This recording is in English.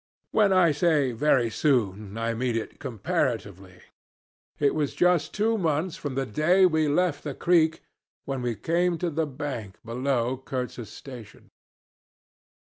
When I say very soon I mean it comparatively. It was just two months from the day we left the creek when we came to the bank below Kurtz's station.